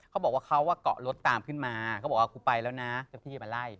หนูเขาก็เกาะรถตามขึ้นมาก็บอกว่าอ่ะคุณไปแล้วที่ที่มาไล่